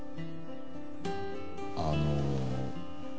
あの。